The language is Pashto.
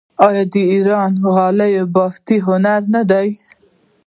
آیا د ایران غالۍ بافي هنر نه دی؟